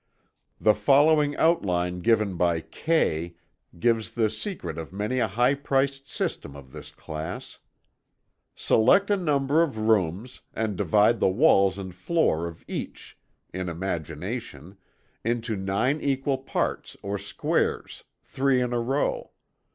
The following outline given by Kay gives the "secret" of many a high priced system of this class: "Select a number of rooms, and divide the walls and floor of each, in imagination, into nine equal parts or squares, three in a row.